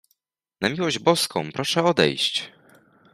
"Na miłość Boską, proszę odejść!"